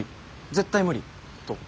絶対無理」と。